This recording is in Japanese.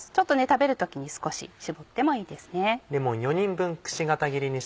食べる時に少し搾ってもいいですね。